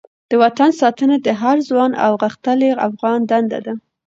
د وطن ساتنه د هر ځوان او غښتلې افغان دنده ده.